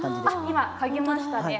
今、嗅ぎましたね。